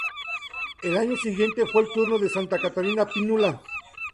El año siguiente fue el turno de Santa Catarina Pinula.